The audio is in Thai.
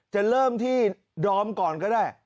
จะเริ่มที่ดอมก่อนก็ได้